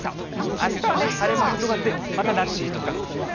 あしたは晴れ間広がって、また夏日復活と。